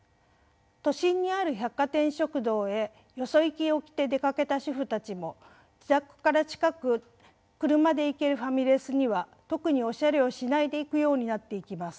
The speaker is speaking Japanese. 都心にある百貨店食堂へよそ行きを着て出かけた主婦たちも自宅から近く車で行けるファミレスには特におしゃれをしないで行くようになっていきます。